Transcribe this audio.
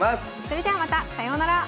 それではまたさようなら。